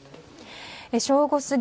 正午過ぎ